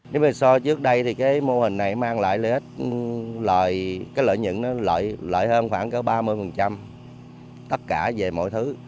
nếu mình so với trước đây thì cái mô hình này mang lại lợi ích cái lợi nhuận lợi hơn khoảng ba mươi tất cả về mọi thứ